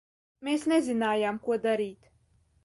Mēs nezinājām, ko darīt.